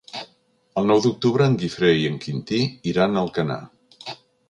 El nou d'octubre en Guifré i en Quintí iran a Alcanar.